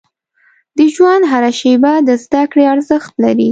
• د ژوند هره شیبه د زده کړې ارزښت لري.